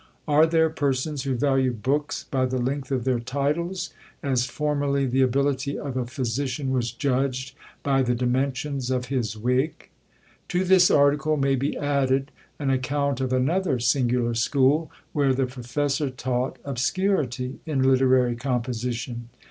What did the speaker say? Are there persons who value books by the length of their titles, as formerly the ability of a physician was judged by the dimensions of his wig? To this article may be added an account of another singular school, where the professor taught obscurity in literary composition!